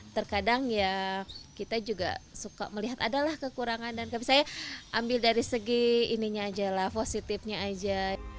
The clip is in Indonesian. terkadang ya kita juga suka melihat adalah kekurangan dan saya ambil dari segi ininya aja lah positifnya aja